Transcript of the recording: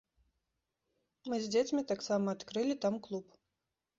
Мы з дзецьмі таксама адкрылі там клуб.